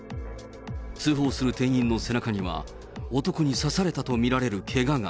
通報する店員の背中には、男に刺されたと見られるけがが。